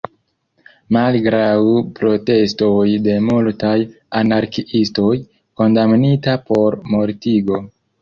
Malgraŭ protestoj de multaj anarkiistoj, kondamnita por mortigo.